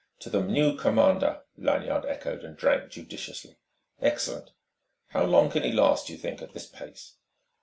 "To the new commander!" Lanyard echoed, and drank judiciously. "Excellent.... How long can he last, do you think, at this pace?"